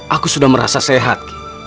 aku sudah merasa sehat